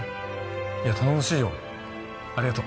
頼もしいよありがとう。